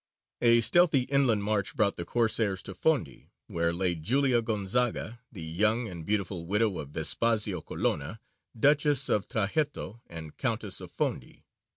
A stealthy inland march brought the Corsairs to Fondi, where lay Giulia Gonzaga, the young and beautiful widow of Vespasio Colonna, Duchess of Trajetto and Countess of Fondi.